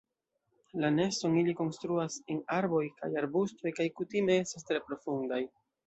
La neston ili konstruas en arboj kaj arbustoj kaj kutime estas tre profundaj.